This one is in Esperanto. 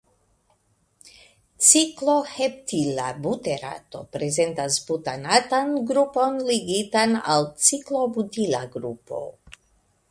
Cikloheptila buterato prezentas butanatan grupon ligitan al ciklobutila grupo.